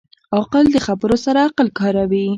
عاقل د خبرو سره عقل کاروي.